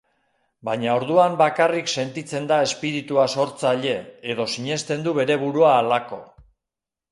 Baina orduan bakarrik sentitzen da espiritua sortzaile edo sinesten du bere burua halako.